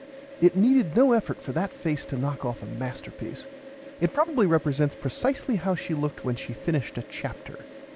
It needed no effort for that face to knock off a masterpiece. It probably represents precisely how she looked when she finished a chapter.